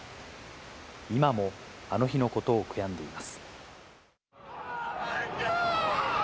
今も、あの日のことを悔やんでいます。